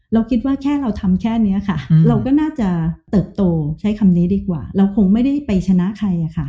เราคิดว่าแค่เราทำแค่นี้ค่ะเราก็น่าจะเติบโตใช้คำนี้ดีกว่าเราคงไม่ได้ไปชนะใครค่ะ